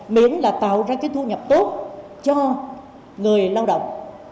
miễn là tạo ra cái thu nhập tốt cho người lao động